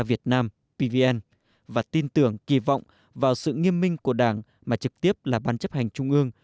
việt nam pvn và tin tưởng kỳ vọng vào sự nghiêm minh của đảng mà trực tiếp là ban chấp hành trung ương